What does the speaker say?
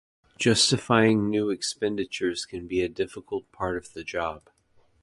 Justifying new expenditures can be a difficult part of the job.